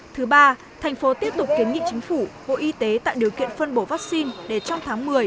thứ ba thành phố tiếp tục kiến nghị chính phủ bộ y tế tạo điều kiện phân bổ vaccine để trong tháng một mươi